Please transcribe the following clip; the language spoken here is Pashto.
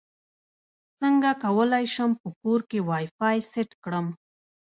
څنګه کولی شم په کور کې وائی فای سیټ کړم